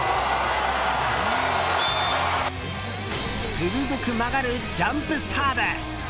鋭く曲がるジャンプサーブ。